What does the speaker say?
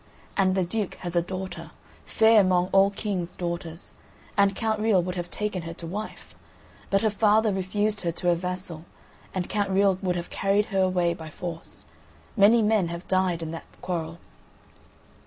And the Duke has a daughter, fair among all King's daughters, and Count Riol would have taken her to wife; but her father refused her to a vassal, and Count Riol would have carried her away by force. Many men have died in that quarrel."